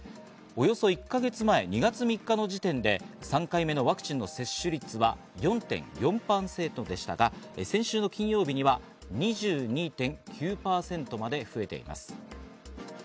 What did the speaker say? およそ１か月前、２月３日の時点で３回目のワクチンの接種率は４．４％でしたが、先週の金曜日には、２２．９％まで増えています。